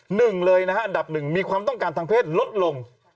หนึ่งเลยนะฮะอันดับหนึ่งมีความต้องการทางเพศลดลง